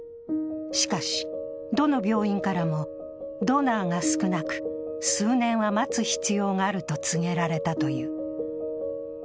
しかし、どの病院からもドナーが少なく、数年は待つ必要があると告げられたという。